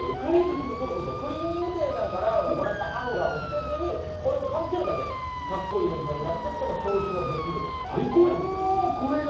クリーニング店さんからもらったハンガーも捨てずにこれをかぶせるだけでカッコいい印象になってしかも消臭ができるというとおおーこれが？